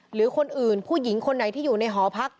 หรือคนอื่นผู้หญิงคนไหนที่อยู่ในหอพัก